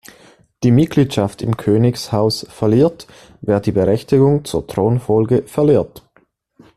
Die Mitgliedschaft im Königshaus verliert, wer die Berechtigung zur Thronfolge verliert.